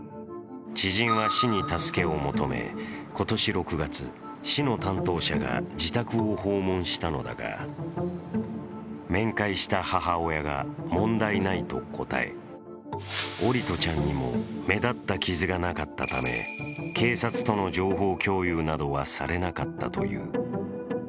知人は市に助けを求め、今年６月、市の担当者が自宅を訪問したのだが、面会した母親が問題ないと答え桜利斗ちゃんにも目立った傷がなかったため、警察との情報共有などはされなかったという。